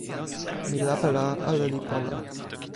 mi lape la ale li pona.